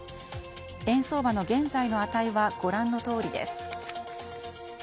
円相場の現在の値はご覧のとおりです。